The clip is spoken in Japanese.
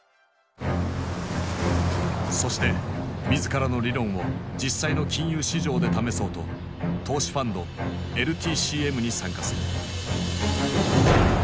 そして自らの理論を実際の金融市場で試そうと投資ファンドＬＴＣＭに参加する。